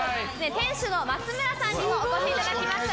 店主の松村さんにもお越しいただきました。